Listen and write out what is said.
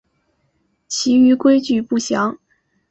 其余规则不详。